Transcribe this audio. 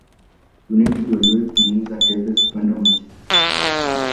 United waliwahi kumuuza Tevez kwenda manchester City